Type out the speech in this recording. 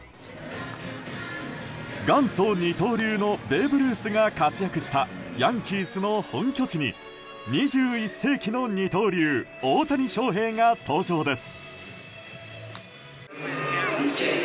元祖二刀流のベーブ・ルースが活躍したヤンキースの本拠地に２１世紀の二刀流大谷翔平が登場です。